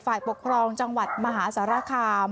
ฝ่ายปกครองจังหวัดมหาสารคาม